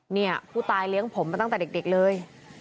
เนี่ยผู้ตายเลี้ยงผมมาตั้งแต่เด็กเลย